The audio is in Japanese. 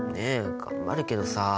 頑張るけどさ。